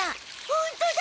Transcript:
ホントだ。